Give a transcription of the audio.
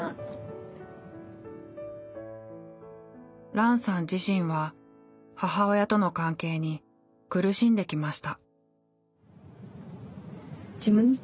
ランさん自身は母親との関係に苦しんできました。